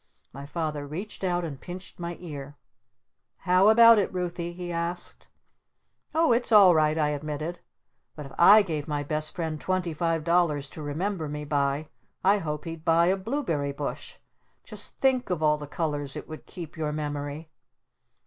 My Father reached out and pinched my ear. "How about it, Ruthy?" he asked. "Oh that's all right," I admitted. "But if I gave my Best Friend twenty five dollars to remember me by I hope he'd buy a Blueberry Bush! Just think of all the colors it would keep your memory!